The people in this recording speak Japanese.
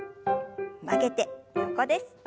曲げて横です。